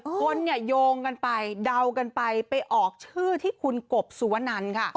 คนเนี่ยโยงกันไปเดากันไปไปออกชื่อที่คุณกบสุวนันค่ะ